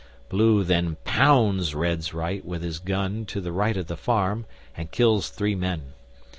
] Blue then pounds Red's right with his gun to the right of the farm and kills three men.